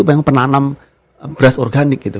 yang penanam beras organik gitu